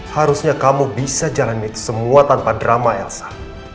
harusnya kamu bisa jalanin itu semua tanpa drama elsa